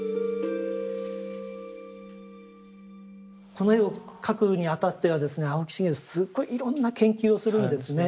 この絵を描くにあたってはですね青木繁すごいいろんな研究をするんですね。